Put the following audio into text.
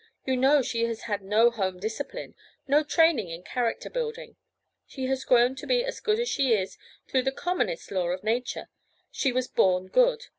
You know she has had no home discipline—no training in character building. She has grown to be as good as she is through the commonest law of nature—she was born good.